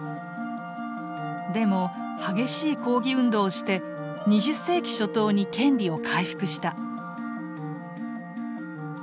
でも激しい抗議運動をして２０世紀初頭に権利を回復した。